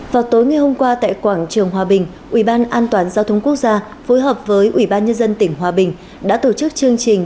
vào tối ngày hôm qua tại quảng trường hòa bình ubndgq phối hợp với ubndhq đã tổ chức chương trình